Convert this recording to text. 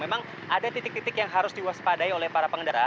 memang ada titik titik yang harus diwaspadai oleh para pengendara